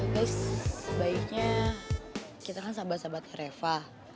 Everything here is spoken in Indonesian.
gus sebaiknya kita kan sahabat sahabat reva